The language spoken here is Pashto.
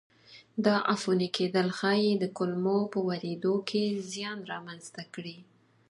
دا عفوني کېدل ښایي د کلمو په اورېدو کې زیان را منځته کړي.